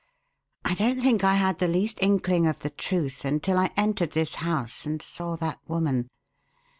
I don't think I had the least inkling of the truth until I entered this house and saw that woman.